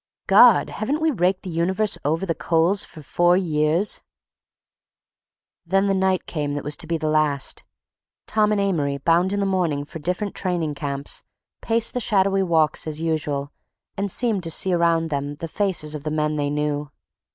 "God! Haven't we raked the universe over the coals for four years?" Then the night came that was to be the last. Tom and Amory, bound in the morning for different training camps, paced the shadowy walks as usual and seemed still to see around them the faces of the men they knew.